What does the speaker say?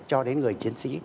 cho đến người chiến sĩ